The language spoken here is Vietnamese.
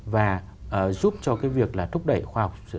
và giúp cho cái việc là thúc đẩy khoa học sở hữu trí tuệ